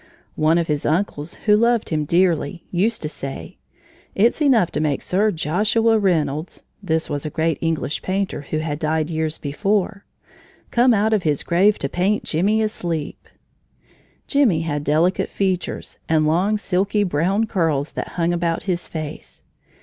One of his uncles, who loved him dearly, used to say: "It's enough to make Sir Joshua Reynolds (this was a great English painter, who had died years before) come out of his grave to paint Jimmie asleep!" Jimmie had delicate features and long, silky, brown curls that hung about his face.